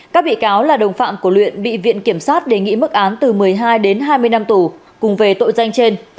các bị cáo là đồng phạm của luyện bị viện kiểm sát đề nghị mức án từ một mươi hai đến hai mươi năm tù cùng về tội danh trên